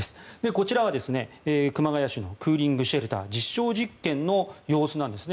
こちらは熊谷市のクーリングシェルターの実証実験の様子なんですね。